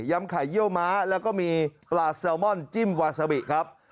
ำไข่เยี่ยวม้าแล้วก็มีปลาแซลมอนจิ้มวาซาบิครับ